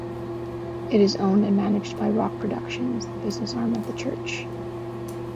It is owned and managed by Rock Productions, the business arm of the church.